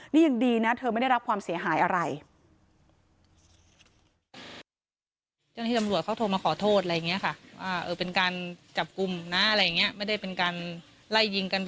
นี่ยังดีนะเธอไม่ได้รับความเสียหายอะไร